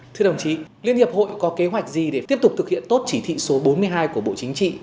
thưa đồng chí liên hiệp hội có kế hoạch gì để tiếp tục thực hiện tốt chỉ thị số bốn mươi hai của bộ chính trị